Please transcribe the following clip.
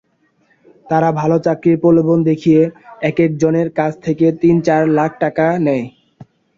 তারা ভালো চাকরির প্রলোভন দেখিয়ে একেকজনের কাছ থেকে তিন-চার লাখ টাকা নেয়।